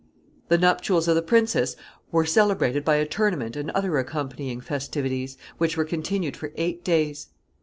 ] The nuptials of the princess were celebrated by a tournament and other accompanying festivities, which were continued for eight days.